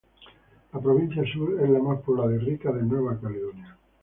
La Provincia Sur es la más poblada y rica de Nueva Caledonia.